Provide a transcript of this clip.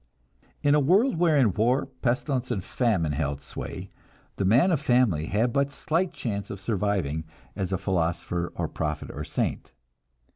In a world wherein war, pestilence, and famine held sway, the man of family had but slight chance of surviving as a philosopher or prophet or saint.